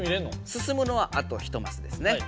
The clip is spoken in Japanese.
すすむのはあと１マスですね。